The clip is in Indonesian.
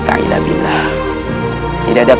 tidak ada yang bisa dikawal